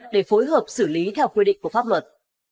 để phối hợp xử lý theo quy định của pháp luật